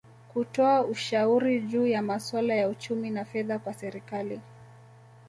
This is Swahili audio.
Kutoa ushauri juu ya masuala ya uchumi na fedha kwa Serikali